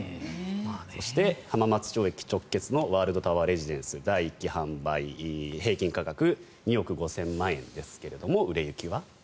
そして、浜松町駅直結のワールドタワーレジデンス第１期販売の平均価格２億５０００万円ですが売れ行きは？